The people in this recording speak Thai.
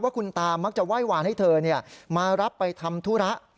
คุณตามักไห้วานให้เธอมารับไปทำธุระ